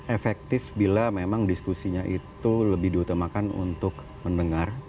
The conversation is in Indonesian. efektif bila memang diskusinya itu lebih diutamakan untuk mendengar